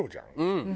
うん。